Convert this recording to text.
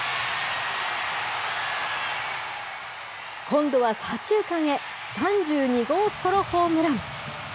今度は左中間へ、３２号ソロホームラン。